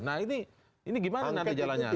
nah ini gimana nanti jalannya